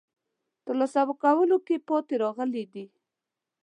ترلاسه کولو کې پاتې راغلي دي.